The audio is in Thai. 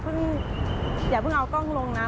อย่าเพิ่งเอากล้องลงนะ